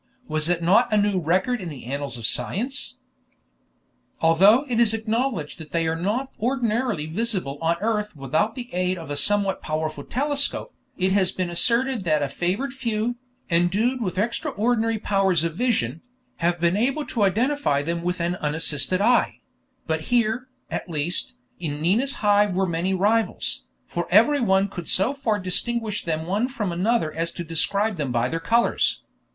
Was it not a new record in the annals of science? Although it is acknowledged that they are not ordinarily visible on earth without the aid of a somewhat powerful telescope, it has been asserted that a favored few, endued with extraordinary powers of vision, have been able to identify them with an unassisted eye; but here, at least, in Nina's Hive were many rivals, for everyone could so far distinguish them one from the other as to describe them by their colors.